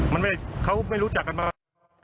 มันเขาไม่รู้จักกันมา